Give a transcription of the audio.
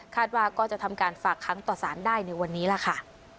ว่าก็จะทำการฝากค้างต่อสารได้ในวันนี้ล่ะค่ะ